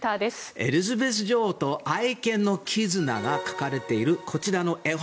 エリザベス女王と愛犬の絆が描かれている、こちらの絵本。